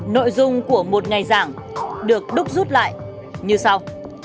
nội dung của một ngày giảng được đúc rút lại như sau